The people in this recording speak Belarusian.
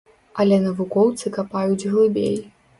Але навукоўцы капаюць глыбей.